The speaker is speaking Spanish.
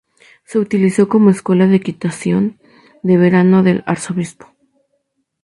Se utilizó como escuela de equitación de verano del arzobispo.